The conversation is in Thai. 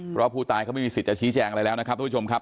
เพราะผู้ตายเขาไม่มีสิทธิ์จะชี้แจงอะไรแล้วนะครับทุกผู้ชมครับ